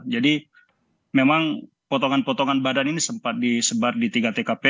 jadi memang potongan potongan badan ini sempat disebar di tiga tkp